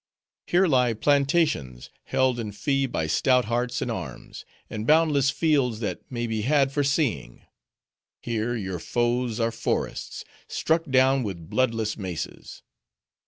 Here lie plantations, held in fee by stout hearts and arms; and boundless fields, that may be had for seeing. Here, your foes are forests, struck down with bloodless maces.